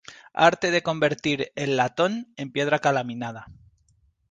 Arte de convertir el latón en piedra ca-laminada.